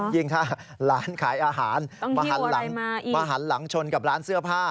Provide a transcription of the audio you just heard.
ยิ่งถ้าร้านขายอาหารมาหันหลังมาหันหลังชนกับร้านเสื้อผ้า